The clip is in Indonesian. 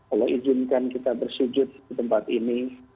allah izinkan kita bersujud di tempat ini